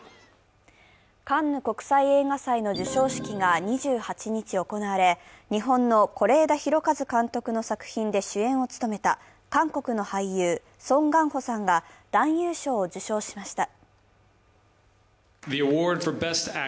カンヌ国際映画祭の授賞式が２８日行われ、日本の是枝裕和監督の作品で主演を務めた韓国の俳優、ソン・ガンホさんが男優賞を受賞しました。